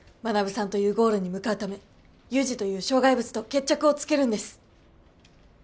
学さんというゴールに向かうためユウジという障害物と決着をつけるんです。